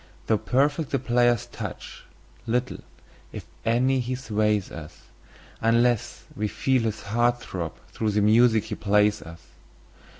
Though perfect the player's touch, little, if any, he sways us, Unless we feel his heart throb through the music he plays us.